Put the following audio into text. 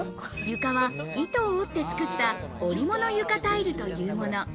床は、糸を織ってつくった、織物床タイルといわれるもの。